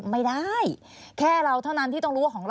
ไม่ได้